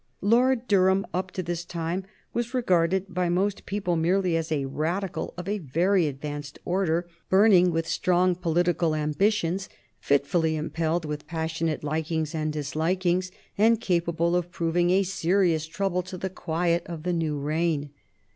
Lord Durham, up to this time, was regarded by most people merely as a Radical of a very advanced order, burning with strong political ambitions, fitfully impelled with passionate likings and dislikings, and capable of proving a serious trouble to the quiet of the new reign.